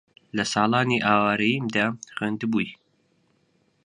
لە ساڵانی ئاوارەییمدا خوێندبووی